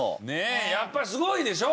やっぱすごいでしょ？